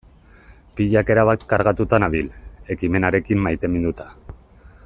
Pilak erabat kargatuta nabil, ekimenarekin maiteminduta.